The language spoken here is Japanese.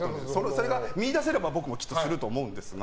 それが見いだせれば僕もきっとすると思うんですが。